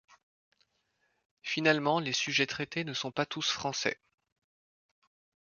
Finalement, les sujets traités ne sont pas tous français.